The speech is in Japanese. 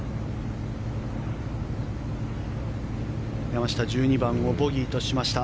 山下１２番をボギーとしました。